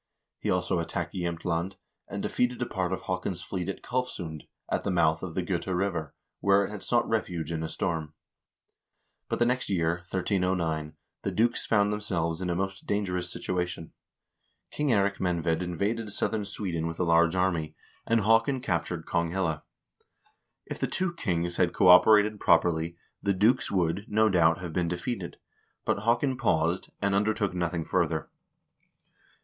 He also attacked Jsemtland, and defeated a part of Haakon's fleet at Kalfsund, at the mouth of the Gota River, where it had sought refuge in a storm. But the next year, 1309, the dukes found themselves in a most dangerous situation. King Eirik Menved invaded southern Sweden with a large army, and Haakon captured Konghelle. If the two kings had cooperated properly, the dukes would, no doubt, have been defeated, but Haakon paused, and under took nothing further.